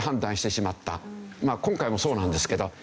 まあ今回もそうなんですけど。